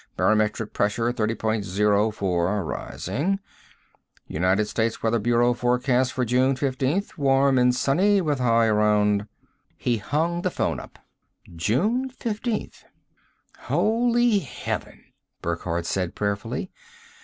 Barometric pressure thirty point zero four, rising ... United States Weather Bureau forecast for June 15th. Warm and sunny, with high around " He hung the phone up. June 15th. "Holy heaven!" Burckhardt said prayerfully.